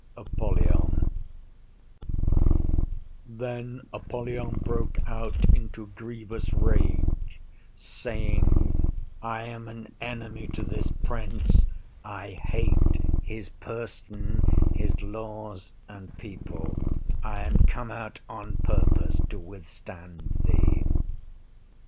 Apollyon Then Apollyon broke out into grievous rage, saying, I am an enemy to this Prince; I hate his person, his laws and people: I am come out on purpose to withstand thee.